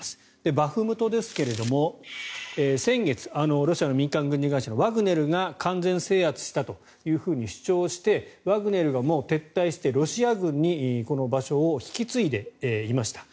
バフムトですが先月、ロシアの民間軍事会社ワグネルが完全制圧したというふうに主張してワグネルが撤退してロシア軍にこの場所を引き継いでいました。